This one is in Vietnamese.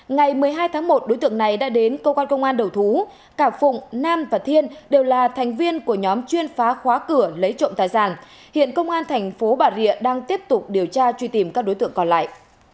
ngày một mươi hai tháng một đối tượng này đã đến cơ quan công an đầu thú cả phụng nam và thiên đều là thành viên của nhóm chuyên phá khóa cửa lấy trộm tài sản hiện công an thành phố bà rịa đang tiếp tục điều tra truy tìm các đối tượng còn lại